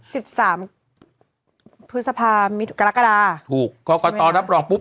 สิบสามพฤษภามิกรกฎาถูกกรกตรับรองปุ๊